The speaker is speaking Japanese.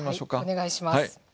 お願いします。